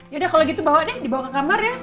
yaudah kalau gitu bawa deh dibawa ke kamar ya